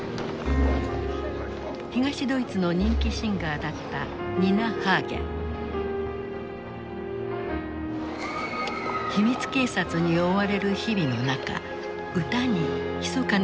東ドイツの人気シンガーだった秘密警察に追われる日々の中歌にひそかなメッセージを込めた。